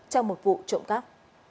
trong một vụ trộm cắp